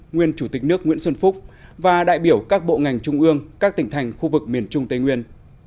nguyên chủ tịch nước nguyễn xuân phúc và đại biểu các bộ ngành trung ương các tỉnh thành khu vực miền trung tây nguyên